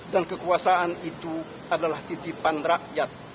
dan kekuasaan itu adalah titipan rakyat